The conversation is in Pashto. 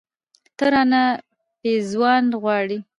، ته رانه پېزوان غواړې